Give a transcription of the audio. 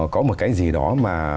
có một cái gì đó mà